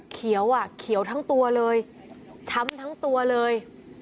เขียวอ่ะเขียวทั้งตัวเลยช้ำทั้งตัวเลย